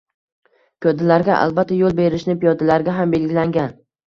Piyodalarga albatta yoʻl berishi, piyodalarga ham belgilangan